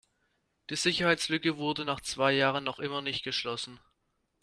Die Sicherheitslücke wurde nach zwei Jahren noch immer nicht geschlossen.